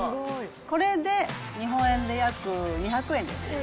これで日本円で約２００円です。